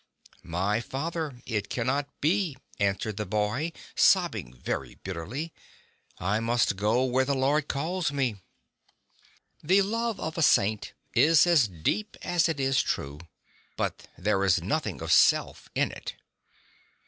"My father, it cannot be," answered the boy, sobbing very bitterly. "I must go where the Lord God calls me." The love of a saint is as deep as it is true: but there is nothing of self in it.